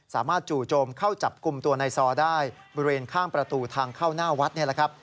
จู่โจมเข้าจับกลุ่มตัวในซอได้บริเวณข้างประตูทางเข้าหน้าวัดนี่แหละครับ